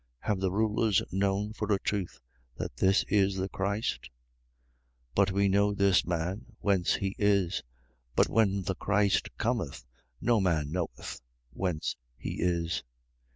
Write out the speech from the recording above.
Have the rulers known for a truth that this is the Christ? 7:27. But we know this man, whence he is: but when the Christ cometh, no man knoweth, whence he is.